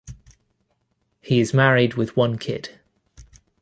He is married with one kid.